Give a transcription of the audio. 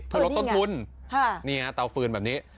เพื่อลดต้นทุนนี่ฮะเตาฟืนแบบนี้